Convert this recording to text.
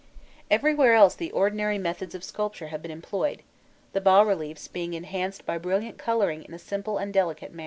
Everywhere else the ordinary methods of sculpture have been employed, the bas reliefs being enhanced by brilliant colouring in a simple and delicate manner.